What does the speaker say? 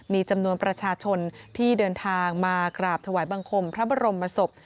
มีจำนวนประชาชนที่เดินทางมากราบถวายบังคมพระบรมศพ